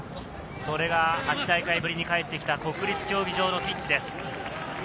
それが８大会ぶりにかえってきた国立競技場のピッチです。